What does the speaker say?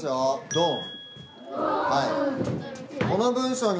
ドン！